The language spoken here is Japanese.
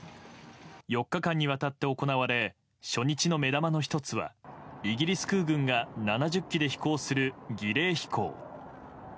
４日間にわたって行われ初日の目玉の１つはイギリス空軍が７０機で飛行する儀礼飛行。